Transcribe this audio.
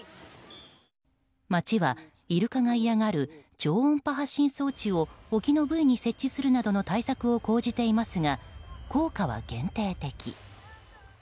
町は、イルカが嫌がる超音波発信装置を沖のブイに設置するなどの対策を講じていますが効果は限定的。